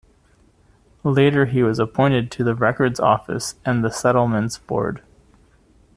Later he was appointed to the Records Office and Settlements Board.